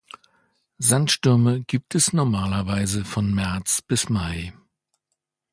Sandstürme gibt es normalerweise von März bis Mai.